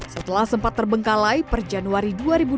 setelah sempat terbengkalai per januari dua ribu dua puluh